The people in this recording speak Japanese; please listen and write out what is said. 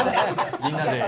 みんなで。